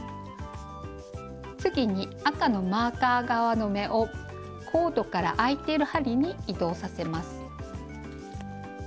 次に赤のマーカー側の目をコードからあいてる針に移動させます。